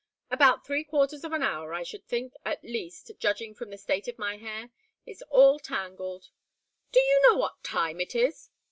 "About three quarters of an hour I should think at least judging from the state of my hair. It's all tangled." "Do you know what time it is?"